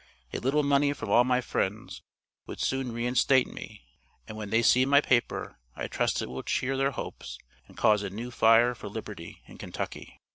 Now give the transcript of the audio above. A little money from all my friends, would soon reinstate me, and when they see my paper I trust it will cheer their hopes, and cause a new fire for liberty in Kentucky.